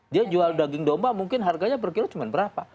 dia jual daging domba mungkin harganya per kilo cuma berapa